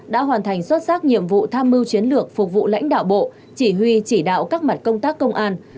đã hoàn thành xuất sắc nhiệm vụ tham mưu chiến lược phục vụ lãnh đạo bộ chỉ huy chỉ đạo các mặt công tác công an